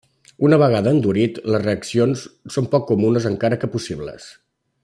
Una vegada endurit, les reaccions són poc comunes encara que possibles.